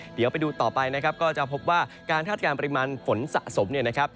เดี๋ยวไปดูต่อไปก็จะพบว่าการทัดการปริมาณฝนสะสม